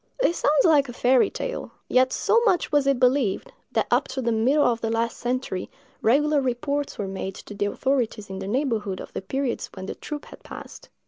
This sounds like a fairy tale; yet so much was it believed, that, up to the middle of the last century, regular reports were made to the authorities in the neighborhood of the periods when the troop had passed.